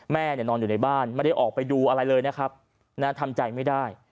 นอนอยู่ในบ้านไม่ได้ออกไปดูอะไรเลยนะครับทำใจไม่ได้